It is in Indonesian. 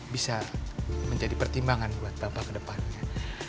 bisa menjadi pertimbangan buat bapak kedepannya